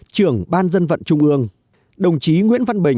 trưởng ban dân vận trung ương